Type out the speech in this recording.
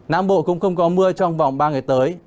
nam bộ cũng không có mưa trong vòng ba ngày tới